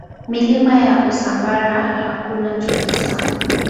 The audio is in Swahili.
Milima ya Usambara hakuna joto sana.